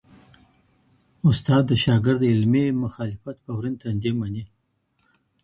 استاد د شاګرد علمي مخالفت په ورین تندي مني.